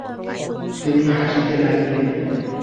তিনি হাসিতে লাগিলেন।